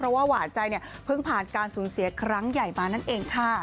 เพราะว่าหวานใจเนี่ยเพิ่งผ่านการสูญเสียครั้งใหญ่มานั่นเองค่ะ